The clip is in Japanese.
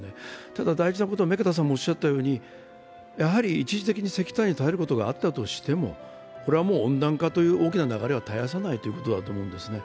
ただ、大事なことはやはり一時的に石炭に頼ることはあったとしてもこれはもう温暖化という大きな流れは絶やさないということだと思うんですね。